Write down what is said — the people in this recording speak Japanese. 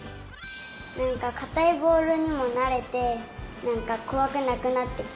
なんかかたいぼおるにもなれてなんかこわくなくなってきた。